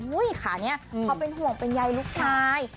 อุ้ยค่ะเนี่ยเขาเป็นห่วงเป็นใยลูกชาย